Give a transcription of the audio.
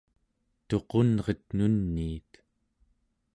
tuqunret nuniit